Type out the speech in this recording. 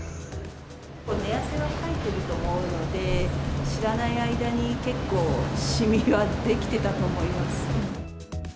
寝汗はかいてると思うので、知らない間に結構、シミは出来てたと思います。